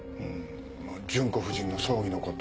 純子夫人の葬儀のこと